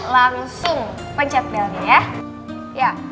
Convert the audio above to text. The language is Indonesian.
langsung pencet belnya ya